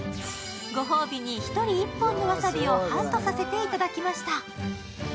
ご褒美に１人１本のわさびをハントさせていただきました。